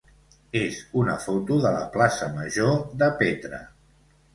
és una foto de la plaça major de Petra.